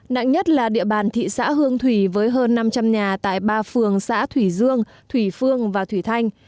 nặng nhất là địa bàn thị xã hương thủy với hơn năm trăm linh nhà tại ba phường xã thủy dương thủy phương và thủy thanh